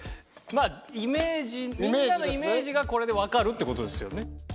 まあイメージみんなのイメージがこれでわかるって事ですよね。